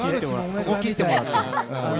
ここを切ってもらって。